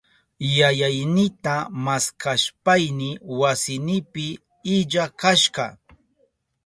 Yayaynita maskashpayni wasinpi illa kashka.